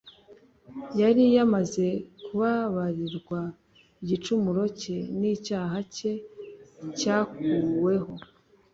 Yari yamaze kubabarirwa igicumuro cye, n'icyaha cye cyakuweho;